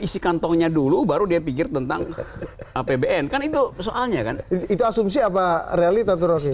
isi kantongnya dulu baru dia pikir tentang apbn kan itu soalnya kan itu asumsi apa realitator